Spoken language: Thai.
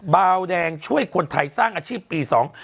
บาวแดงช่วยคนไทยสร้างอาชีพปีสอง